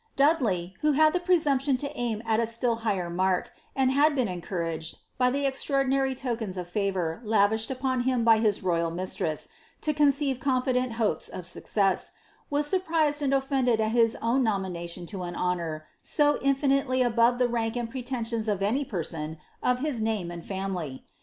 Dudley, who had the presumption to aim at a still higher mark, and had been encouraged, by the extraordinary tokens of favour lavished upon him by bis royal mistress, to conceive confident hopeH of success, was surprised and offended at his own nomination to an honour, so in finitely above the rank and pretensions of any person of his name and bmily.